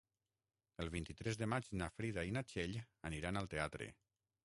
El vint-i-tres de maig na Frida i na Txell aniran al teatre.